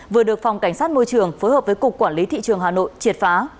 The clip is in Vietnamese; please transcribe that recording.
vừa được phòng cảnh sát môi trường phối hợp với cục quản lý thị trường hà nội triệt phá